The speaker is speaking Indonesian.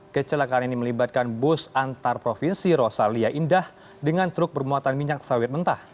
kecelakaan ini melibatkan bus antar provinsi rosalia indah dengan truk bermuatan minyak sawit mentah